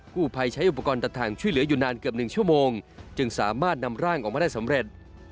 ผู้ภัยใช้อุปกรณ์ตัดทางช่วยเหลืออยู่นานเกือบ๑ชั่วโมงจึงสามารถนำร่างออกมาได้สำเร็จ